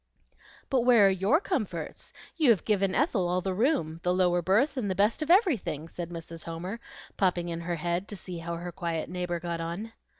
"But where are YOUR comforts? You have given Ethel all the room, the lower berth, and the best of everything," said Mrs. Homer, popping in her head to see how her quiet neighbor got on.